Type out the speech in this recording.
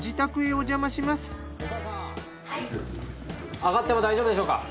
お母さんあがっても大丈夫でしょうか？